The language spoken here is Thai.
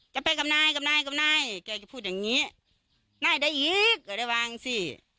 จะไปกับนายกับนายกับนายแกก็พูดอย่างงี้นายได้อีกก็ได้วางสิ